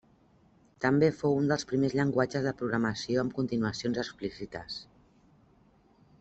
També fou un dels primers llenguatges de programació amb continuacions explícites.